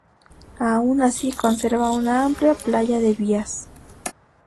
Aun así conserva una amplia playa de vías.